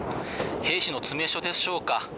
兵士の詰め所でしょうか。